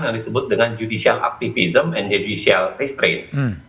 yang disebut dengan judicial activism and judicial restrain